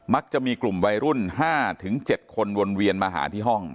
จะมีกลุ่มวัยรุ่น๕๗คนวนเวียนมาหาที่ห้อง